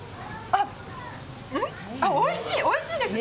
あっ、おいしいです。